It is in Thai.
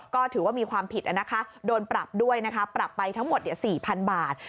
ก็ถือว่ามีความผิดนะคะโดนปรับด้วยนะคะปรับไปทั้งหมด๔๐๐๐บาท